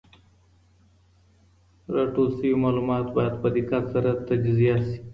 راټول سوي معلومات باید په دقت سره تجزیه سي.